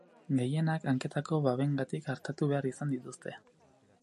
Gehienak, hanketako babengatik artatu behar izan dituzte.